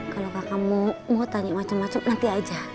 kalau kamu mau tanya macam macam nanti aja